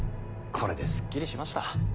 これですっきりしました。